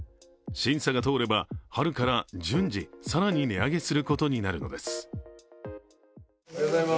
審査が通れば、春から順次更に値上げすることになるのです。